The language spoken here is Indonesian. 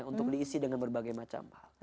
untuk diisi dengan berbagai macam hal